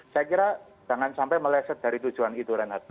saya kira jangan sampai meleset dari tujuan itu renhardt